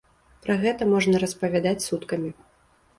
Пра гэта можна распавядаць суткамі.